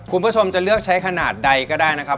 คุณผู้ชมจะเลือกใช้ขนาดใดก็ได้นะครับ